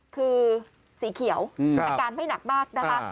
คือสีเขียวอาการไม่หนักมากนะคะ